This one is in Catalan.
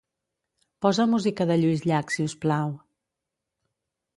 Posa música de Lluís Llach, si us plau.